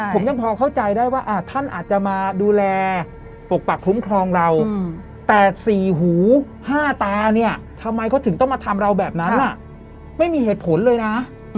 ผมยังพอเข้าใจได้ว่าท่านอาจจะมาดูแลปกปักคุ้มครองเราแต่สี่หูห้าตาเนี่ยทำไมเขาถึงต้องมาทำเราแบบนั้นไม่มีเหตุผลเลยนะ